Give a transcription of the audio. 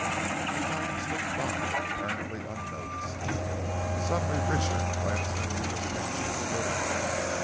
The time slipped by apparently unnoticed. Suddenly Richard glanced at his wrist watch and stood up.